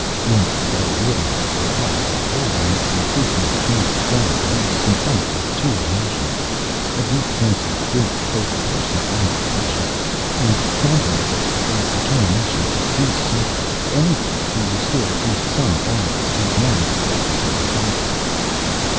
Once Leoh realized the part he had played in this increasingly tragic drama, he was confronted with two emotions—a deep sense of guilt, both personal and professional; and, countering this, a determination to do something, anything, to restore at least some balance to man's collective mentality.